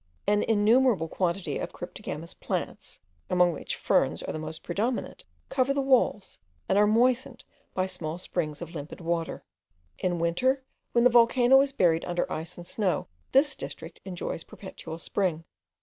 An innumerable quantity of cryptogamous plants, among which ferns are the most predominant, cover the walls, and are moistened by small springs of limpid water. In winter, when the volcano is buried under ice and snow, this district enjoys perpetual spring.